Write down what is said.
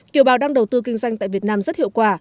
kiều bào đang đầu tư kinh doanh tại việt nam rất hiệu quả